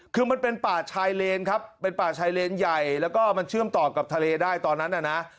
คือมันเป็นป่าชายเลนครับเป็นป่าชายเลนใหญ่แล้วก็มันเชื่อมต่อกับทะเลได้ตอนนั้นน่ะนะ